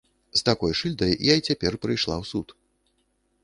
З такой шыльдай я і цяпер прыйшла ў суд.